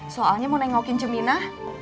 soalnya mau nengokin cemina